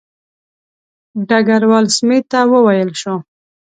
ډګروال سمیت ته وویل شو.